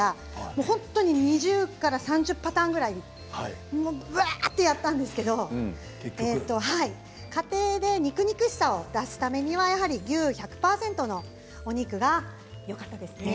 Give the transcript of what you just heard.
本当に２０から３０パターンぐらいうわっとやったんですけれど家庭で肉々しさを出すためにはやはり牛１００％のお肉がよかったですね。